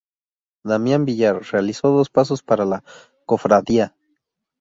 Damián Villar realizó dos pasos para la Cofradía.